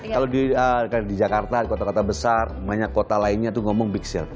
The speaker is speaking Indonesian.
kalau di jakarta di kota kota besar banyak kota lainnya itu ngomong big shield